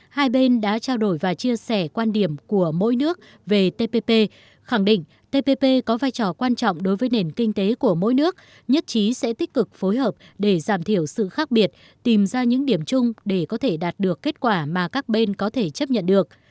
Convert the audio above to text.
hai bên đã trao đổi và chia sẻ quan điểm của mỗi nước về tpp khẳng định tpp có vai trò quan trọng đối với nền kinh tế của mỗi nước nhất trí sẽ tích cực phối hợp để giảm thiểu sự khác biệt tìm ra những điểm chung để có thể đạt được kết quả mà các bên có thể chấp nhận được